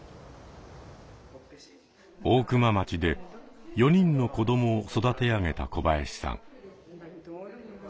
大熊町で４人の子どもを育て上げた小林さん。